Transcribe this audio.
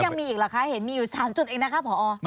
ยังมีอีกเหรอคะเห็นมีอยู่๓จุดเองนะคะผอ